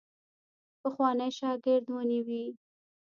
پخوانی شاګرد ونیوی.